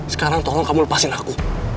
sekarang tolong kamu lepasin aku